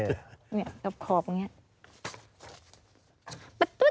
กับขอบอย่างนี้